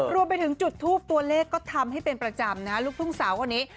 รวมไปถึงจุดทูปตัวเลขก็ทำให้เป็นประจำนะลูกทุ่งสาวคนนี้